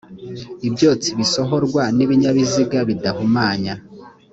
ibyotsi bisohorwa n ibinyabiziga bidahumanya